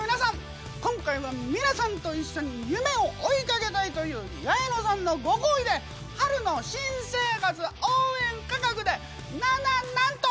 今回は皆さんと一緒に夢を追いかけたいという八重野さんのご厚意で春の新生活応援価格でなななんと！